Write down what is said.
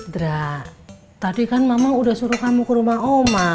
dra tadi kan mama udah suruh kamu ke rumah oma